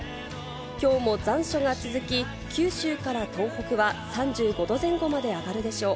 きょうも残暑が続き、九州から東北は３５度前後まで上がるでしょう。